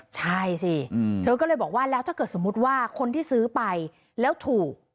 ใช่สิเธอก็เลยบอกว่าแล้วถ้าเกิดสมมุติว่าคนที่ซื้อไปแล้วถูก